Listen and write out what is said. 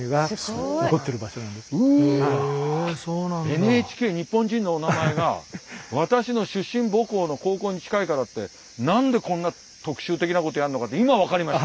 ＮＨＫ「日本人のおなまえ」が私の出身母校の高校に近いからって何でこんな特集的なことをやるのかって今分かりました。